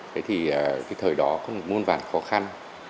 thế thì cái thời đó có một muôn vàn khó khăn